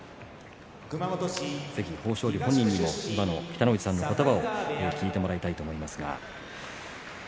ぜひ豊昇龍本人にも今の北の富士さんの言葉を聞いてもらいたいんですが。